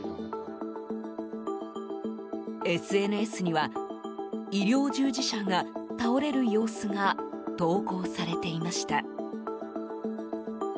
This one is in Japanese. ＳＮＳには、医療従事者が倒れる様子が投稿されていました。